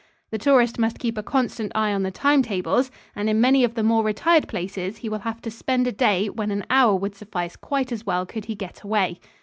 The tourist must keep a constant eye on the time tables, and in many of the more retired places he will have to spend a day when an hour would suffice quite as well could he get away.